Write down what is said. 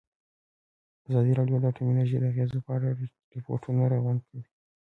ازادي راډیو د اټومي انرژي د اغېزو په اړه ریپوټونه راغونډ کړي.